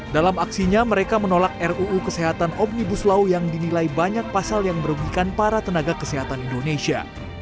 dalam aksinya mereka menolak ruu kesehatan omnibus law yang dinilai banyak pasal yang merugikan para tenaga kesehatan indonesia